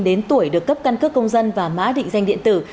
đến tuổi được cấp căn cước công dân và mã định danh điện tử